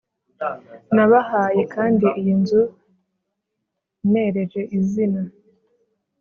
nabahaye kandi iyi nzu nereje izina